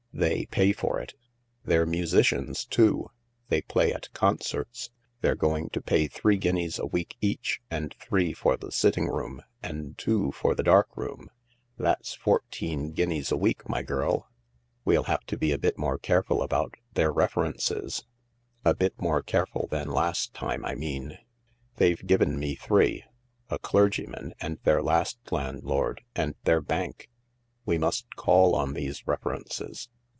They pay for it 1 They're musicians too : they play at concerts. They're going to pay three guineas a week each, and three for the sitting room, and two for the dark room — that's fourteen guineas a week, my girl I " H We'll ha ve to be a bit more careful about their references, — a bit more careful than last, time, I mean." "They've given me three — a clergyman, and their last landlord, and their bank." " We must call on these references.